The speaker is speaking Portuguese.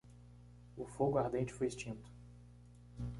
O fogo ardente foi extinto.